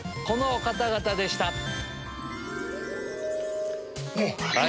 この方々でした！